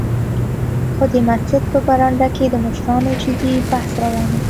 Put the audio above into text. خو د مسجد په برنډه کې د مشرانو جدي بحث روان و.